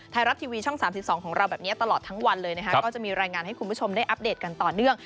ไทยรัฐทีวีช่อง๓๒ของเราแบบนี้ตลอดทั้งวันเลยนะคะก็จะมีรายงานให้คุณผู้ชมได้อัปเดตกันต่อเนื่อง